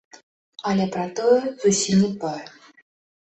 Але пра тое зусім не дбаю.